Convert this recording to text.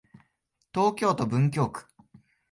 東京都文京区